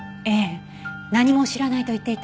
何も知らないと言っていたわ。